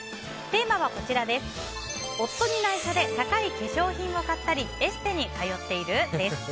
テーマは夫に内緒で高い化粧品を買ったりエステに通っている？です。